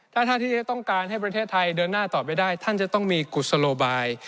ถ้าท่านที่จะต้องการให้ประเทศไทยเดินหน้าต่อไปได้ท่านจะต้องมีกุศโลบาย